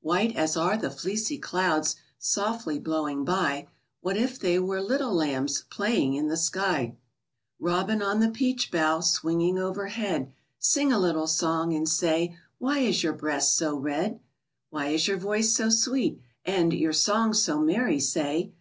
White as are the fleecy clouds Softly blowing by What if they were little lambs Playing in the sky? Robin on the peach bough, Swinging overhead, Sing a little song and say Why is your breast so red? Why is your voice so sweet, and Your song so merry, say?